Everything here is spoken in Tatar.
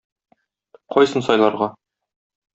Кайсын сайларга?